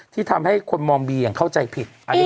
ที่ทำให้คนมองบีอย่างเข้าใจผิด